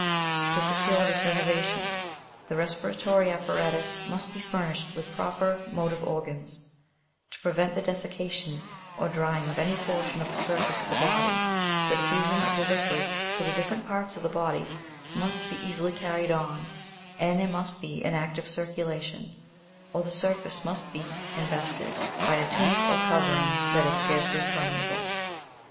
To secure this renovation, the respiratory apparatus must be furnish ed with proper motive organs ; to prevent the dessication or drying of any portion of the surface of the body, the diffusion of the liquids to the different parts of the body must be easily carried on, and there must be an active circulation, or the surface must be in vested by a tunic or covering that is scarcely permeable.